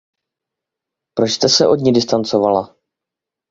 Proč jste se od ní distancovala?